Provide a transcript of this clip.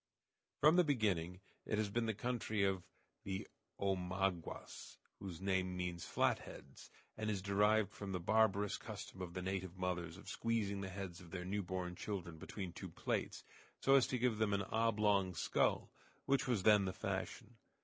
From the beginning it has been the country of the Omaguas, whose name means "flat heads," and is derived from the barbarous custom of the native mothers of squeezing the heads of their newborn children between two plates, so as to give them an oblong skull, which was then the fashion.